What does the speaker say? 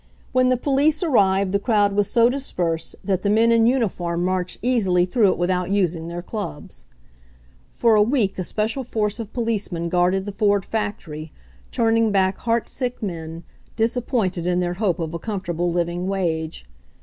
When the police arrived the crowd was so dispersed that the men in uniform FIVE DOLLARS A DAY MINIMUM 153 marched easily through it without using their clubs. For a week a special force of policemen guarded the Ford factory, turning back heartsick men, disappointed in their hope of a comfortable living wage.